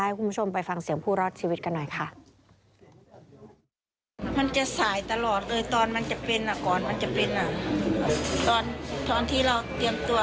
คุณผู้ชมไปฟังเสียงผู้รอดชีวิตกันหน่อยค่ะ